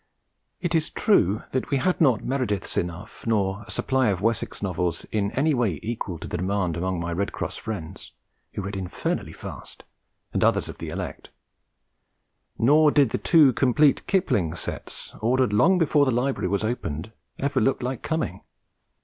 It is true that we had not Merediths enough, nor a supply of Wessex Novels in any way equal to the demand among my Red Cross friends (who read infernally fast) and others of the elect; nor did the two complete Kipling sets, ordered long before the library was opened, ever look like coming.